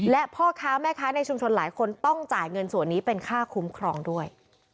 และพ่อค้าแม่ค้าในชุมชนหลายคนต้องจ่ายเงินส่วนนี้เป็นค่าคุ้มครองด้วย